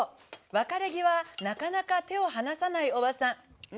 別れ際、なかなか手を離さないおばさん。